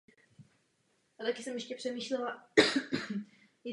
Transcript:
U každého národa je také uveden celkový počet obyvatel v Říši.